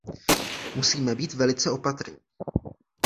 Musíme být velice opatrní.